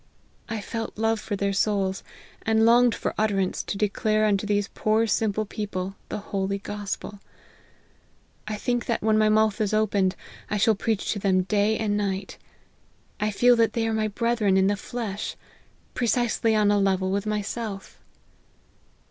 I felt love for their souls, and longed for utterance to de clare unto these poor simple people, the holy gos pel. I think that when my mouth is opened, T shall preach to them day and night. I feel that they are my brethren in the flesh ; precisely on a level with myself."